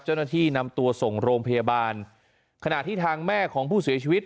เจ้าหน้าที่นำตัวส่งโรงพยาบาลขณะที่ทางแม่ของผู้เสียชีวิต